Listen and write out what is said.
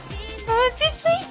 落ち着いて！